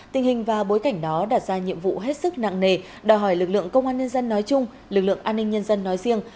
tình hình và bối cảnh đó đặt ra nhiệm vụ hết sức nặng nề đòi hỏi lực lượng công an nhân dân nói chung lực lượng an ninh nhân dân nói riêng